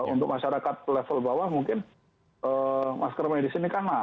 untuk masyarakat level bawah mungkin masker medis ini kan mahal